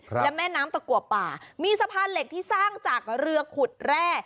และแม่น้ำตะกัวป่ามีสะพานเหล็กที่สร้างจากเรือขุดแร่